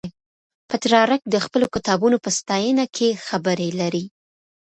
پترارک د خپلو کتابونو په ستاینه کې خبرې لري.